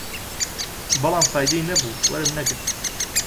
بەڵام فایدەی نەبوو، وەرم نەگرت